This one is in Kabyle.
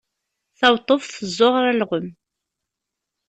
Taweṭṭuft tezzuɣer alɣem.